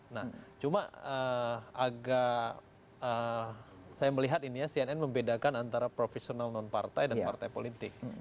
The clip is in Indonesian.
nah cuma agak saya melihat ini ya cnn membedakan antara profesional non partai dan partai politik